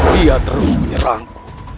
dia terus menyerangku